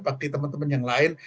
bagi temen temen yang lain